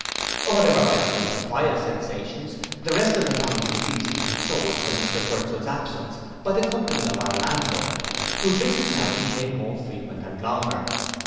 Whatever might have been Sophia's sensations, the rest of the family was easily consoled, for Mr Burchell's absence by the company of our landlord, whose visits now became more frequent and longer.